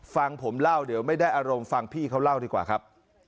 ฟังผมเล่าเดี๋ยวไม่ได้อารมณ์ฟังพี่เขาเล่าดีกว่าครับ